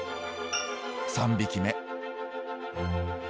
３匹目。